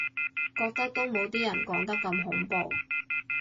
覺得都冇啲人講得咁恐怖